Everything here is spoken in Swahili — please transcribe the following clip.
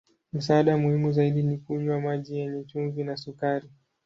Msaada muhimu zaidi ni kunywa maji yenye chumvi na sukari.